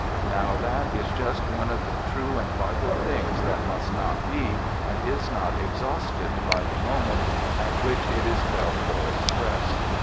Now that is just one of the true and vital things that must not be, and is not exhausted by the moment at which it is felt or expressed.